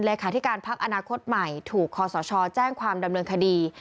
เลขาธิการพักอนาคตใหม่ถูกคอสชแจ้งความดำเนินคดี